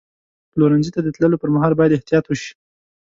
پلورنځي ته د تللو پر مهال باید احتیاط وشي.